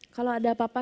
kalau ada apa apa